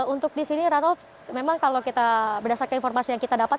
untuk di sini rano memang kalau kita berdasarkan informasi yang kita dapat